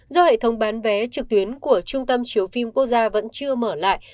do hệ thống bán vé trực tuyến của trung tâm chiếu phim quốc gia vẫn chưa mở lại